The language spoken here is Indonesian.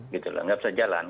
gitu lho nggak bisa jalan